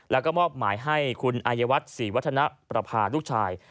แล้วก็มอบหมายให้คุณอายวัฒน์ศรีวัฒนประพาลูกชาย